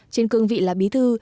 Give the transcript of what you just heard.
trên cương vị là bí thư